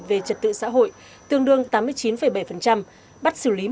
về trật tự xã hội tương đương tám mươi chín bảy bắt xử lý một ba trăm linh bốn